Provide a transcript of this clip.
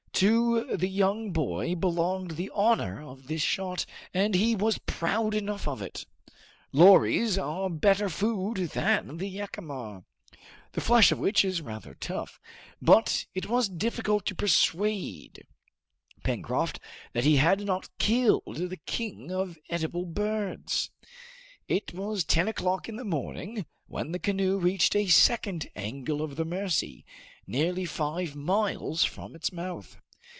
To the young boy belonged the honor of this shot, and he was proud enough of it. Lories are better food than the jacamar, the flesh of which is rather tough, but it was difficult to persuade Pencroft that he had not killed the king of eatable birds. It was ten o'clock in the morning when the canoe reached a second angle of the Mercy, nearly five miles from its mouth.